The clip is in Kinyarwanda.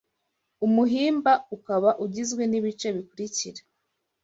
umuhimba ukaba ugizwe n’ibice bikurikira: